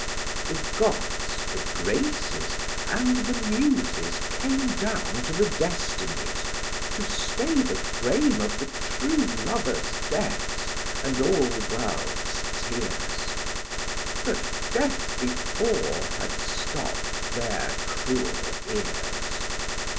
The Gods, the Graces, and the Muses came Down to the Destinies, to stay the frame Of the true lovers' deaths, and all world's tears: But Death before had stopp'd their cruel ears.